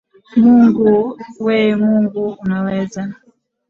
Mungu wee Mungu unaweza